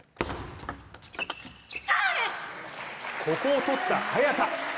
ここを取った早田。